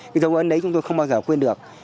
cái dấu ấn đấy chúng tôi không bao giờ quên được